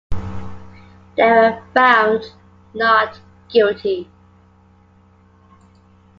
They were found not guilty.